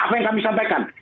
apa yang kami sampaikan